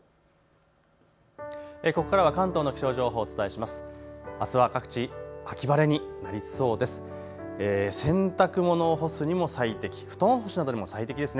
ここからは関東の気象情報をお伝えします。